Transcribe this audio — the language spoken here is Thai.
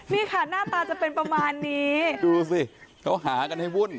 นี่ค่ะหน้าตาจะเป็นประมาณนี้ดูสิเขาหากันให้วุ่น